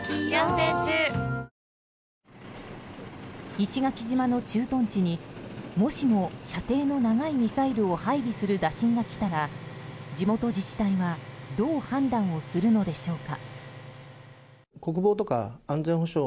石垣島の駐屯地にもしも射程の長いミサイルを配備する打診がきたら地元自治体はどう判断をするのでしょうか？